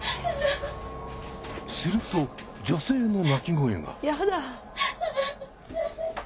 すると女性の泣き声が。